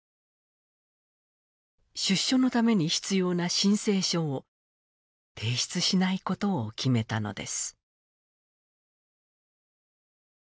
出所のために必要な申請書を提出しないことを決めたのです。